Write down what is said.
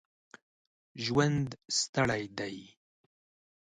ژوند ستړی دی.